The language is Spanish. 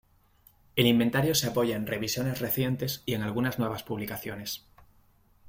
El inventario se apoya en revisiones recientes y en algunas nuevas publicaciones.